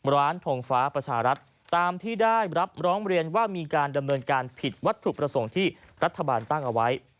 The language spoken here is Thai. ทงฟ้าประชารัฐตามที่ได้รับร้องเรียนว่ามีการดำเนินการผิดวัตถุประสงค์ที่รัฐบาลตั้งเอาไว้